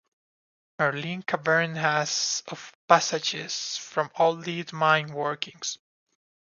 Merlin Cavern has of passages from old lead mine workings.